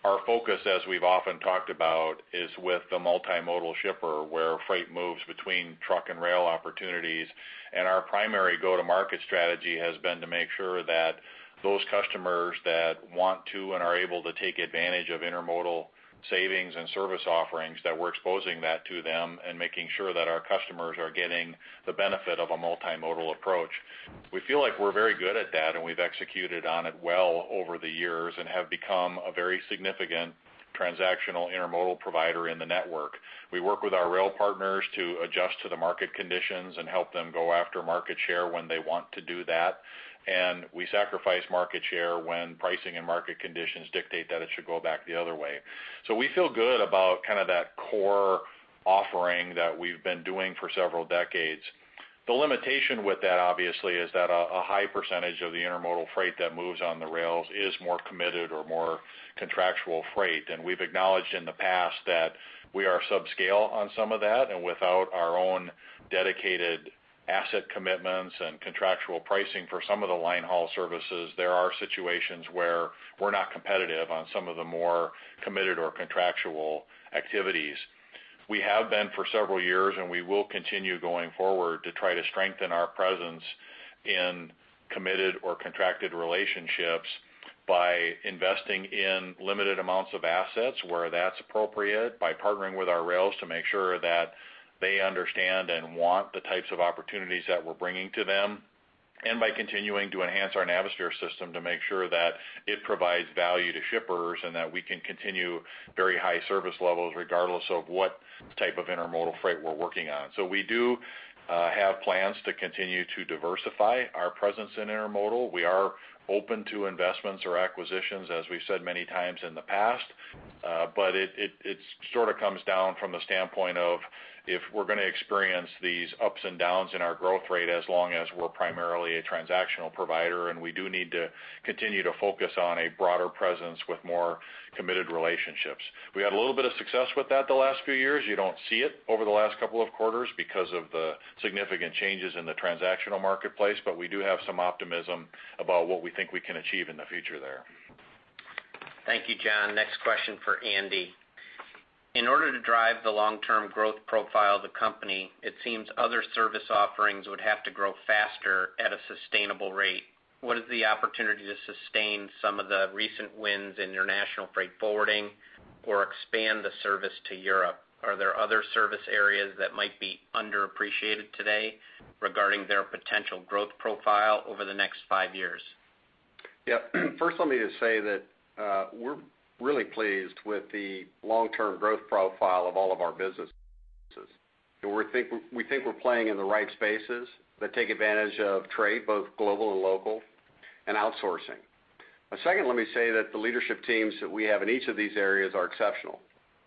Our focus, as we've often talked about, is with the multimodal shipper, where freight moves between truck and rail opportunities, and our primary go-to-market strategy has been to make sure that those customers that want to and are able to take advantage of intermodal savings and service offerings, that we're exposing that to them and making sure that our customers are getting the benefit of a multimodal approach. We feel like we're very good at that, and we've executed on it well over the years and have become a very significant transactional intermodal provider in the network. We work with our rail partners to adjust to the market conditions and help them go after market share when they want to do that. We sacrifice market share when pricing and market conditions dictate that it should go back the other way. We feel good about kind of that core offering that we've been doing for several decades. The limitation with that, obviously, is that a high percentage of the intermodal freight that moves on the rails is more committed or more contractual freight. We've acknowledged in the past that we are subscale on some of that, and without our own dedicated asset commitments and contractual pricing for some of the line haul services, there are situations where we're not competitive on some of the more committed or contractual activities. We have been for several years, and we will continue going forward to try to strengthen our presence in committed or contracted relationships by investing in limited amounts of assets where that's appropriate, by partnering with our rails to make sure that they understand and want the types of opportunities that we're bringing to them, and by continuing to enhance our Navisphere system to make sure that it provides value to shippers and that we can continue very high service levels regardless of what type of intermodal freight we're working on. We do have plans to continue to diversify our presence in intermodal. We are open to investments or acquisitions, as we've said many times in the past. It sort of comes down from the standpoint of if we're going to experience these ups and downs in our growth rate as long as we're primarily a transactional provider, we do need to continue to focus on a broader presence with more committed relationships. We had a little bit of success with that the last few years. You don't see it over the last couple of quarters because of the significant changes in the transactional marketplace, we do have some optimism about what we think we can achieve in the future there. Thank you, John. Next question for Andy. In order to drive the long-term growth profile of the company, it seems other service offerings would have to grow faster at a sustainable rate. What is the opportunity to sustain some of the recent wins in your international freight forwarding or expand the service to Europe? Are there other service areas that might be underappreciated today regarding their potential growth profile over the next five years? Yeah. First, let me just say that we're really pleased with the long-term growth profile of all of our businesses. We think we're playing in the right spaces that take advantage of trade, both global and local, and outsourcing. Second, let me say that the leadership teams that we have in each of these areas are exceptional.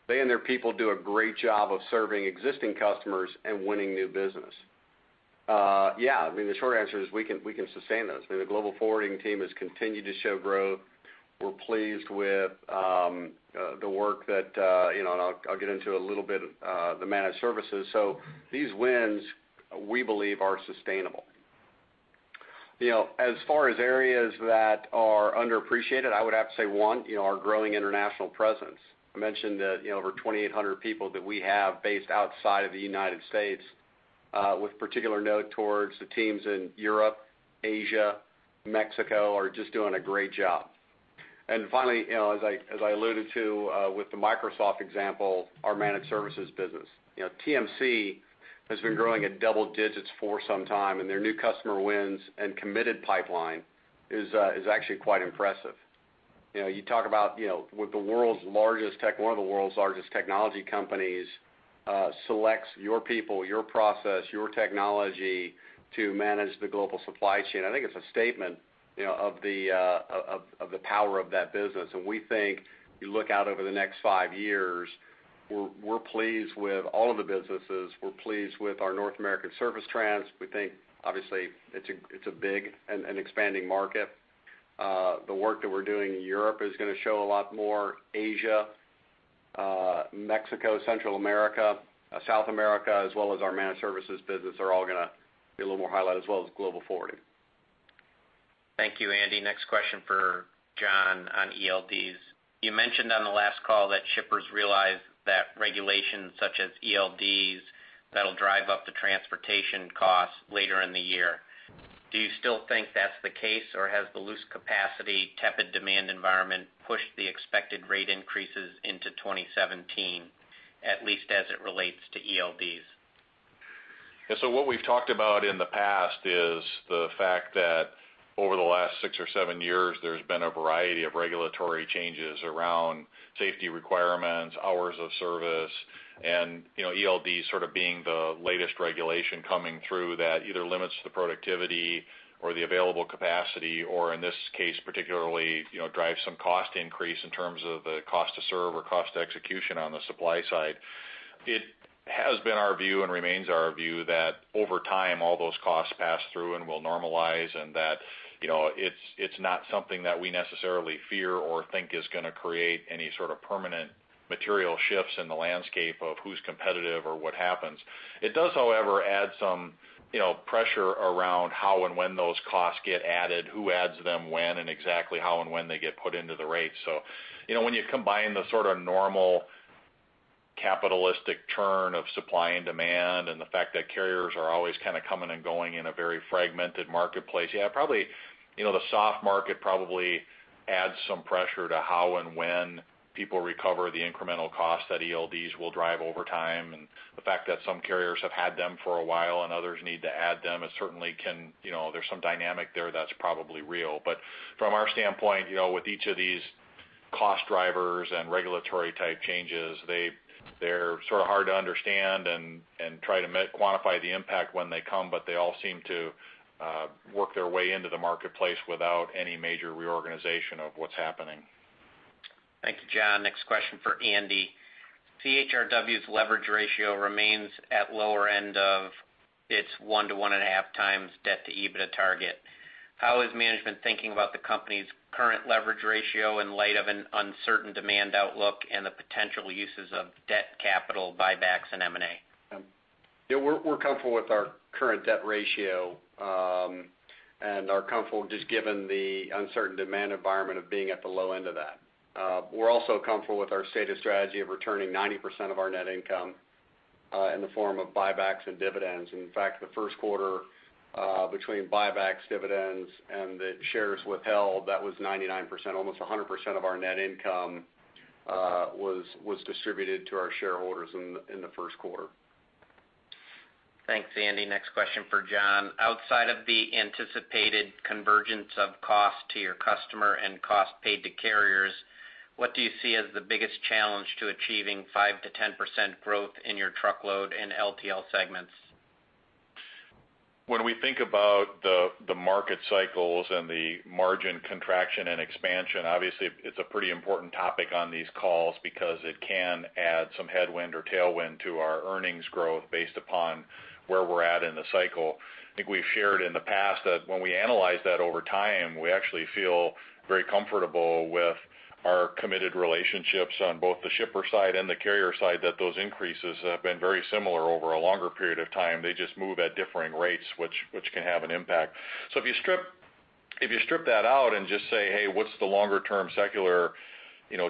They and their people do a great job of serving existing customers and winning new business. Yeah, I mean, the short answer is we can sustain those. I mean, the global forwarding team has continued to show growth. We're pleased with the work that, and I'll get into a little bit of the managed services. These wins, we believe, are sustainable. As far as areas that are underappreciated, I would have to say, one, our growing international presence. I mentioned that over 2,800 people that we have based outside of the U.S., with particular note towards the teams in Europe, Asia, Mexico, are just doing a great job. Finally, as I alluded to with the Microsoft example, our managed services business. TMC has been growing at double digits for some time, and their new customer wins and committed pipeline is actually quite impressive. You talk about one of the world's largest technology companies selects your people, your process, your technology to manage the global supply chain. I think it's a statement of the power of that business, and we think you look out over the next five years. We're pleased with all of the businesses. We're pleased with our North American service trends. We think, obviously, it's a big and expanding market. The work that we're doing in Europe is going to show a lot more. Asia, Mexico, Central America, South America, as well as our managed services business are all going to be a little more highlight, as well as global forwarding. Thank you, Andy Clarke. Next question for John Wiehoff on ELDs. You mentioned on the last call that shippers realize that regulations such as ELDs, that'll drive up the transportation costs later in the year. Do you still think that's the case, or has the loose capacity, tepid demand environment pushed the expected rate increases into 2017, at least as it relates to ELDs? Yeah. What we've talked about in the past is the fact that over the last six or seven years, there's been a variety of regulatory changes around safety requirements, hours of service, and ELD sort of being the latest regulation coming through that either limits the productivity or the available capacity, or in this case, particularly, drives some cost increase in terms of the cost to serve or cost to execution on the supply side. It has been our view, and remains our view, that over time, all those costs pass through and will normalize, and that it's not something that we necessarily fear or think is going to create any sort of permanent material shifts in the landscape of who's competitive or what happens. It does, however, add some pressure around how and when those costs get added, who adds them when, and exactly how and when they get put into the rates. When you combine the sort of normal capitalistic turn of supply and demand, and the fact that carriers are always kind of coming and going in a very fragmented marketplace, the soft market probably adds some pressure to how and when people recover the incremental cost that ELDs will drive over time. The fact that some carriers have had them for a while and others need to add them, there's some dynamic there that's probably real. From our standpoint, with each of these cost drivers and regulatory type changes, they're sort of hard to understand and try to quantify the impact when they come, but they all seem to work their way into the marketplace without any major reorganization of what's happening. Thank you, John. Next question for Andy. CHRW's leverage ratio remains at lower end of its one to one and a half times debt to EBITDA target. How is management thinking about the company's current leverage ratio in light of an uncertain demand outlook and the potential uses of debt capital buybacks and M&A? Yeah. We're comfortable with our current debt ratio, and are comfortable just given the uncertain demand environment of being at the low end of that. We're also comfortable with our stated strategy of returning 90% of our net income in the form of buybacks and dividends. In fact, the first quarter, between buybacks, dividends, and the shares withheld, that was 99%, almost 100% of our net income was distributed to our shareholders in the first quarter. Thanks, Andy. Next question for John. Outside of the anticipated convergence of cost to your customer and cost paid to carriers, what do you see as the biggest challenge to achieving 5%-10% growth in your truckload and LTL segments? When we think about the market cycles and the margin contraction and expansion, obviously, it's a pretty important topic on these calls because it can add some headwind or tailwind to our earnings growth based upon where we're at in the cycle. I think we've shared in the past that when we analyze that over time, we actually feel very comfortable with our committed relationships on both the shipper side and the carrier side, that those increases have been very similar over a longer period of time. They just move at differing rates, which can have an impact. If you strip that out and just say, "Hey, what's the longer-term secular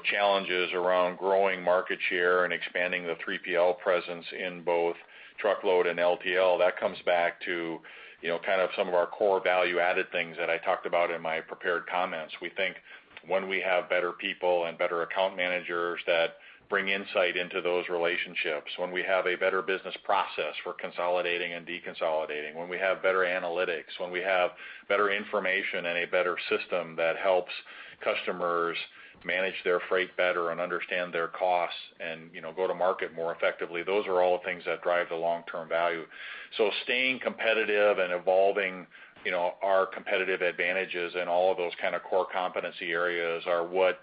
challenges around growing market share and expanding the 3PL presence in both truckload and LTL?" That comes back to kind of some of our core value-added things that I talked about in my prepared comments. We think when we have better people and better account managers that bring insight into those relationships, when we have a better business process for consolidating and deconsolidating, when we have better analytics, when we have better information and a better system that helps customers manage their freight better and understand their costs, and go to market more effectively, those are all things that drive the long-term value. Staying competitive and evolving our competitive advantages in all of those kind of core competency areas are what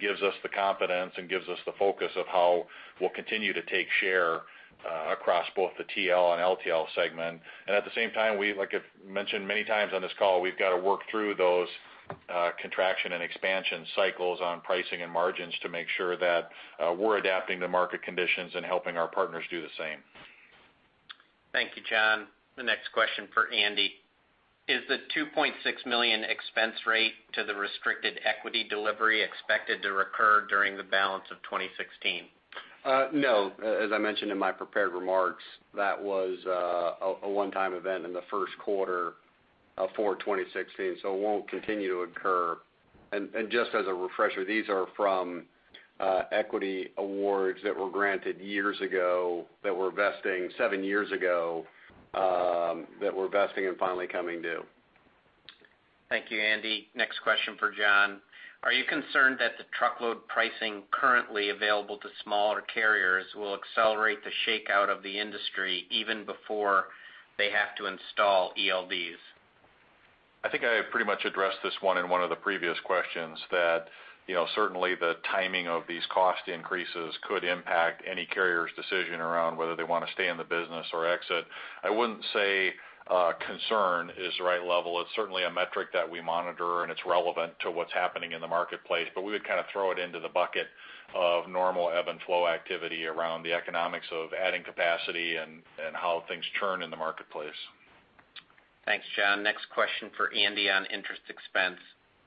gives us the confidence and gives us the focus of how we'll continue to take share across both the TL and LTL segment. At the same time, like I've mentioned many times on this call, we've got to work through those contraction and expansion cycles on pricing and margins to make sure that we're adapting to market conditions and helping our partners do the same. Thank you, John. The next question for Andy. Is the $2.6 million expense rate to the restricted equity delivery expected to recur during the balance of 2016? No. As I mentioned in my prepared remarks, that was a one-time event in the first quarter for 2016, it won't continue to occur. Just as a refresher, these are from equity awards that were granted years ago, that were vesting seven years ago, that were vesting and finally coming due. Thank you, Andy. Next question for John. Are you concerned that the truckload pricing currently available to smaller carriers will accelerate the shakeout of the industry even before they have to install ELDs? I think I pretty much addressed this one in one of the previous questions that certainly the timing of these cost increases could impact any carrier's decision around whether they want to stay in the business or exit. I wouldn't say concern is the right level. It's certainly a metric that we monitor, and it's relevant to what's happening in the marketplace, we would kind of throw it into the bucket of normal ebb and flow activity around the economics of adding capacity and how things turn in the marketplace. Thanks, John. Next question for Andy on interest expense.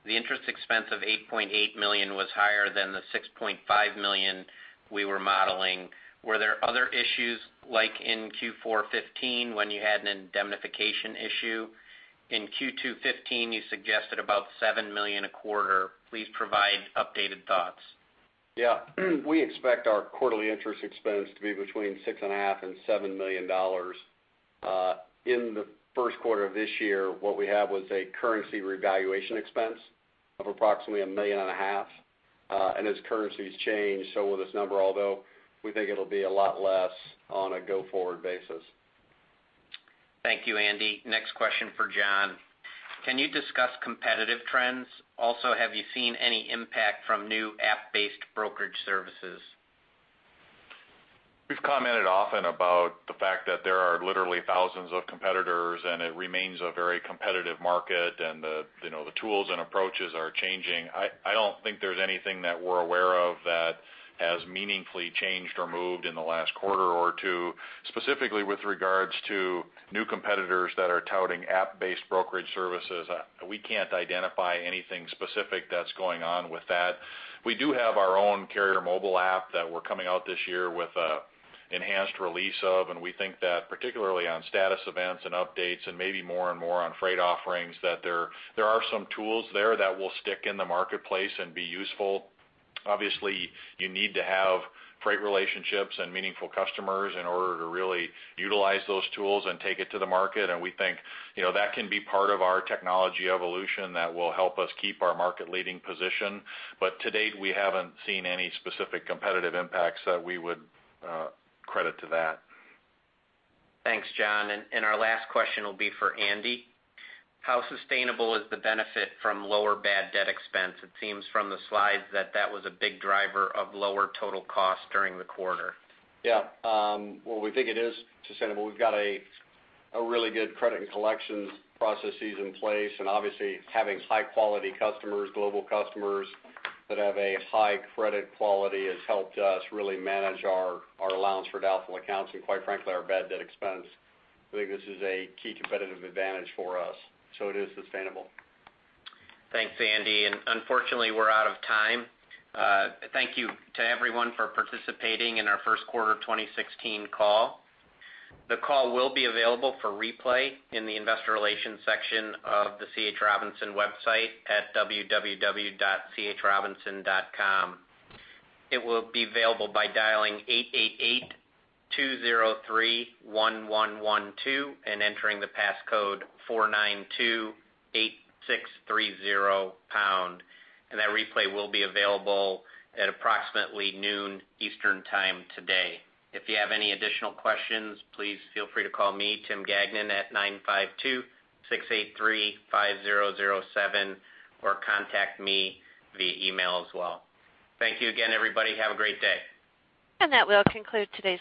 The interest expense of $8.8 million was higher than the $6.5 million we were modeling. Were there other issues like in Q4 2015 when you had an indemnification issue? In Q2 2015, you suggested about $7 million a quarter. Please provide updated thoughts. Yeah. We expect our quarterly interest expense to be between six and a half and $7 million. In the first quarter of this year, what we have was a currency revaluation expense of approximately a million and a half. As currencies change, so will this number, although we think it'll be a lot less on a go-forward basis. Thank you, Andy. Next question for John. Can you discuss competitive trends? Also, have you seen any impact from new app-based brokerage services? We've commented often about the fact that there are literally thousands of competitors. It remains a very competitive market. The tools and approaches are changing. I don't think there's anything that we're aware of that has meaningfully changed or moved in the last quarter or two, specifically with regards to new competitors that are touting app-based brokerage services. We can't identify anything specific that's going on with that. We do have our own carrier mobile app that we're coming out this year with an enhanced release of. We think that particularly on status events and updates and maybe more and more on freight offerings, that there are some tools there that will stick in the marketplace and be useful. Obviously, you need to have freight relationships and meaningful customers in order to really utilize those tools and take it to the market. We think that can be part of our technology evolution that will help us keep our market-leading position. To date, we haven't seen any specific competitive impacts that we would credit to that. Thanks, John. Our last question will be for Andy. How sustainable is the benefit from lower bad debt expense? It seems from the slides that that was a big driver of lower total cost during the quarter. Well, we think it is sustainable. We've got a really good credit and collections processes in place, obviously, having high-quality customers, global customers that have a high credit quality has helped us really manage our allowance for doubtful accounts and quite frankly, our bad debt expense. I think this is a key competitive advantage for us. It is sustainable. Thanks, Andy, unfortunately, we're out of time. Thank you to everyone for participating in our first quarter of 2016 call. The call will be available for replay in the investor relations section of the C.H. Robinson website at www.chrobinson.com. It will be available by dialing 888-203-1112 and entering the passcode 4928630#. That replay will be available at approximately noon Eastern time today. If you have any additional questions, please feel free to call me, Tim Gagnon, at 952-683-5007, or contact me via email as well. Thank you again, everybody. Have a great day. That will conclude today's call.